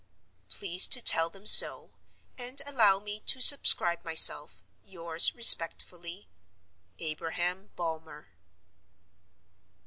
Please to tell them so; and allow me to subscribe myself, yours respectfully, "ABRAHAM BULMER."